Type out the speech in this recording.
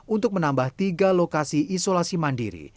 untuk menambah tiga lokasi isolasi mandiri